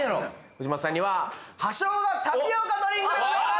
藤本さんには葉生姜タピオカドリンクでございます！